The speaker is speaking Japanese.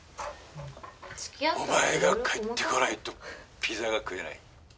お前が帰ってこないとピザが食えない。